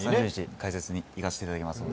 解説に行かせていただきますので。